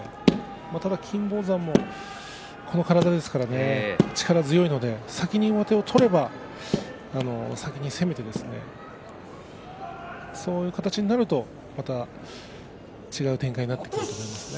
ただ金峰山もこの体ですから力強いんで先に上手を取れば先に攻めてそういう形になるとまた違う展開になってくると思うんですね。